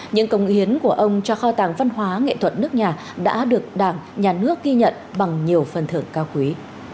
những công hiến của ông cho kho tàng văn hóa nghệ thuật nước nhà đã được đảng nhà nước ghi nhận bằng nhiều phần thưởng cao quý